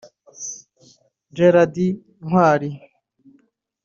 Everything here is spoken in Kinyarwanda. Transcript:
Gérard Ntwari